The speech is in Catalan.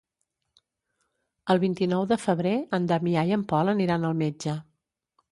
El vint-i-nou de febrer en Damià i en Pol aniran al metge.